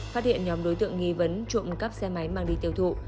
phát hiện nhóm đối tượng nghi vấn trộm cắp xe máy mang đi tiêu thụ